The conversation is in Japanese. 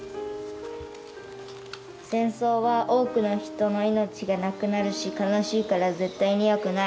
「戦争は多くの人の命がなくなるし悲しいからぜったいに良くない。